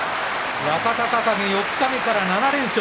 若隆景、四日目から７連勝。